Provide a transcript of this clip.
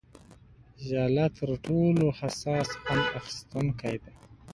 ژله تر ټولو حساس خوند اخیستونکې ده.